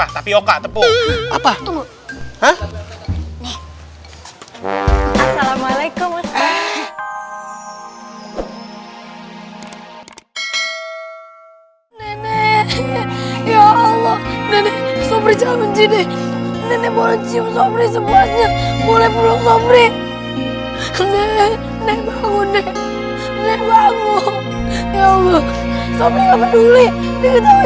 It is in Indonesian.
dia ketahuin sama temen temennya